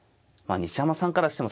西山さんからしても里見さん